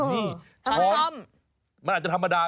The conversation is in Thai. นี่ช้อนมันอาจจะธรรมดา